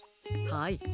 はい。